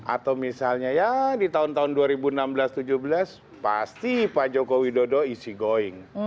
atau misalnya ya di tahun tahun dua ribu enam belas dua ribu tujuh belas pasti pak joko widodo isi going